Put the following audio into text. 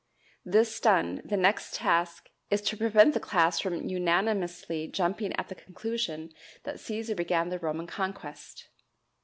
This done, the next task is to prevent the class from unanimously jumping at the conclusion that Cæsar began the Roman conquest.